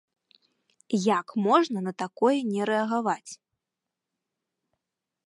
Як можна на такое не рэагаваць?